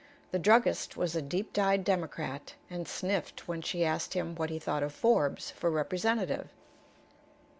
The druggist was a deep dyed Democrat, and sniffed when she asked him what he thought of Forbes for Representative.